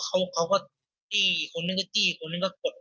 เพราะว่าเขาก็จี้คนนั้นก็จี้คนนั้นก็กด